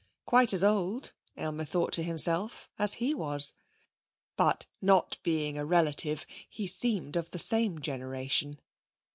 Quite as old, Aylmer thought to himself, as he was. But not being a relative, he seemed of the same generation.